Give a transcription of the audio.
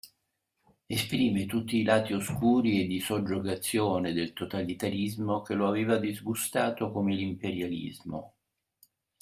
Esprime tutti i lati oscuri e di soggiogazione del totalitarismo che lo aveva disgustato come l'imperialismo.